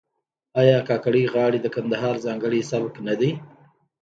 آیا د کاکړۍ غاړې د کندهار ځانګړی سبک نه دی؟